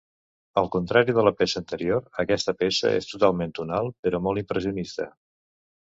Al contrari de la peça anterior, aquesta peça és totalment tonal però molt impressionista.